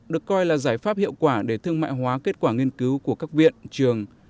được coi là giải pháp hiệu quả để thương mại hóa kết quả nghiên cứu của các viện trường